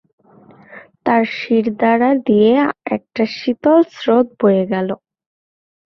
তাঁর শিরদাঁড়া দিয়ে একটা শীতল স্রোত বয়ে গেল।